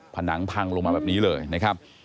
ผนังพังลงมาแบบนี้เลยนะครับ